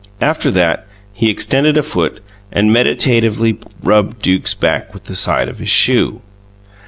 After that, he extended a foot and meditatively rubbed Duke's back with the side of his shoe.